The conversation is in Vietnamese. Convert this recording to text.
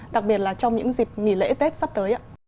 đặc biệt là trong những dịp nghỉ lễ tết sắp tới ạ